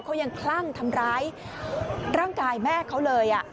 เขายังคลั่งทำร้ายร่างกายแม่เขาเลย